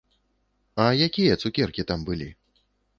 А якія цукеркі там былі?